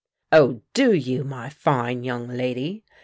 "Oh, do you, my fine young lady?